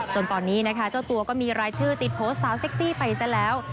จนตอนนี้นะคะเจ้าตัวก็มีรายชื่อติดโพสต์สาวเซ็กซี่ไปซะแล้ว